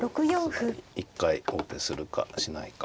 まあ一回王手するかしないか。